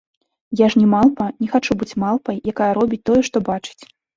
А я ж не малпа, не хачу быць малпай, якая робіць тое, што бачыць.